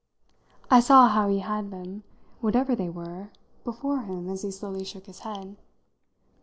I saw how he had them, whatever they were, before him as he slowly shook his head.